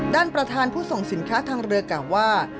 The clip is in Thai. ด้านประธานผู้ส่งสินค้าทางเรือกล่าวว่า